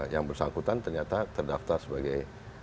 yang bersangkutan ternyata terdaftar sebagai